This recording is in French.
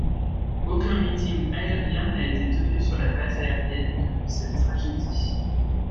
Aucun meeting aérien n'a été tenu sur la base aérienne depuis cette tragédie.